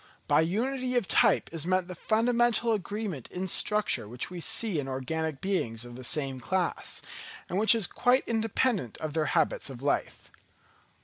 By unity of type is meant that fundamental agreement in structure which we see in organic beings of the same class, and which is quite independent of their habits of life.